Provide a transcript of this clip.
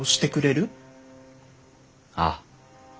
ああ。